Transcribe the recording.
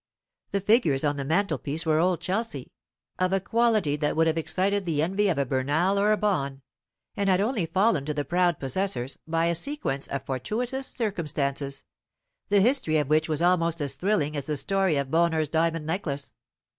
The figures on the mantelpiece were Old Chelsea, of a quality that would have excited the envy of a Bernal or a Bonn, and had only fallen to the proud possessors by a sequence of fortuitous circumstances, the history of which was almost as thrilling as the story of Boehmer's diamond necklace.